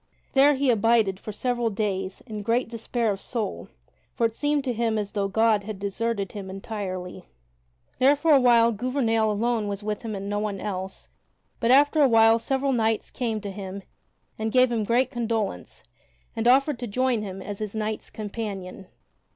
There he abided for several days in great despair of soul, for it seemed to him as though God had deserted him entirely. There for a while Gouvernail alone was with him and no one else, but after a while several knights came to him and gave him great condolence and offered to join with him as his knights companion.